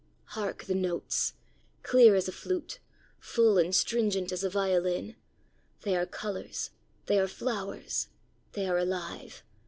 "Hark the notes! Clear as a flute! Full and stringent as a violin! They are colours! They are flowers! They are alive!